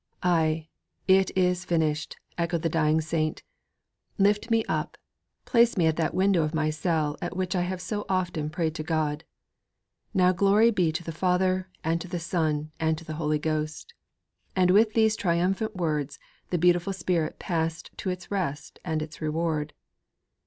'Ay, it is finished!' echoed the dying saint; 'lift me up, place me at that window of my cell at which I have so often prayed to God. Now glory be to the Father and to the Son and to the Holy Ghost!' And, with these triumphant words, the beautiful spirit passed to its rest and its reward.